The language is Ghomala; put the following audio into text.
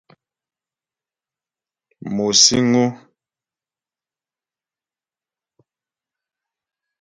Mo síŋ ó.